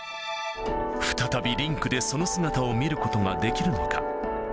再びリンクでその姿を見ることができるのか。